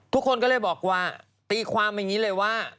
ทุกคนก็เลยบอกว่าตีความอย่างนี้เลยว่า